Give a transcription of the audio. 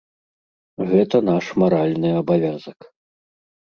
Гэта наш маральны абавязак.